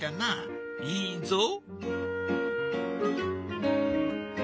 いいぞ。